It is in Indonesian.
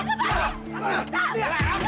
menunggu sampai mati